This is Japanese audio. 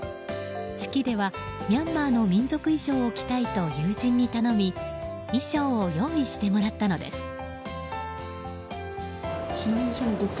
式ではミャンマーの民族衣装を着たいと友人に頼み衣装を用意してもらったのです。